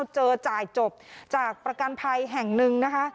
จ่ายจบจากประกันภัยแห่งหนึ่งนะคะ